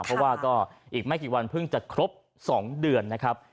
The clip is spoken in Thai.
เพราะว่าก็อีกไม่กี่วันเพิ่งจะครบ๒เดือนนะครับ